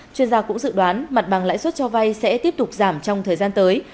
chuyên gia cũng dự đoán mặt bằng lãi suất cho vay sẽ tiếp tục giảm trong thời gian tới